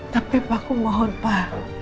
tapi pak aku mohon pak